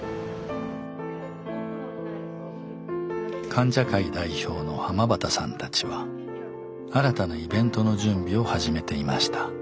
患者会代表の濱端さんたちは新たなイベントの準備を始めていました。